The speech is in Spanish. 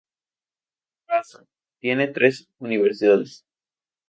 Vaasa tiene tres universidades.